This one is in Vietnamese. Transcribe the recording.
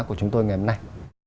của chúng tôi ngày hôm nay